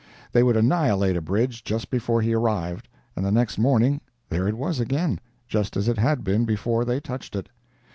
They would annihilate a bridge just before he arrived, and the next morning there it was again, just as it had been before they touched it.